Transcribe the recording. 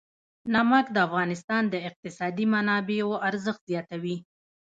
نمک د افغانستان د اقتصادي منابعو ارزښت زیاتوي.